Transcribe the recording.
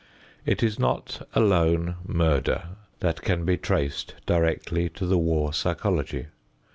It is not alone murder that can be traced directly to the war psychology.